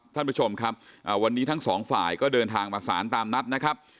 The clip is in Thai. ท่านผู้ชมครับวันนี้ทั้งสองฝ่ายก็เดินทางมาสารตามนัดนะครับ